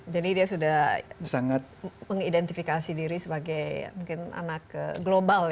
jadi dia sudah sangat mengidentifikasi diri sebagai mungkin anak global ya